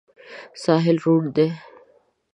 ساحل ړوند دی.